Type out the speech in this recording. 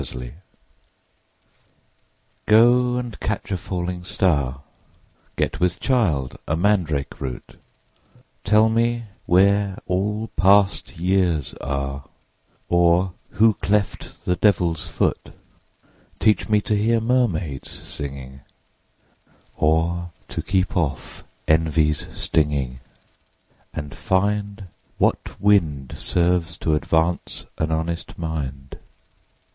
Song GO and catch a falling star, Get with child a mandrake root, Tell me where all past years are, Or who cleft the Devil's foot; Teach me to hear mermaids singing, 5 Or to keep off envy's stinging, And find What wind Serves to advance an honest mind.